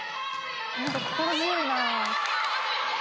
何か心強いな。